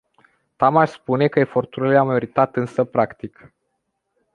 Tamaș spune că eforturile au meritat însă practic.